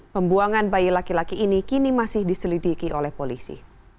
pembuangan bayi laki laki ini kini masih diselidiki oleh polisi